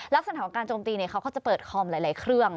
แล้วสถานการณ์โจมตีเขาก็จะเปิดคอมหลายเครื่อง